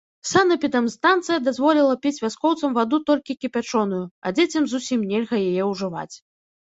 Санэпідэмстанцыя дазволіла піць вяскоўцам ваду толькі кіпячоную, а дзецям зусім нельга яе ўжываць.